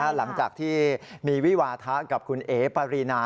หลังจากที่มีวิวาทะกับคุณเอ๋ปารีนา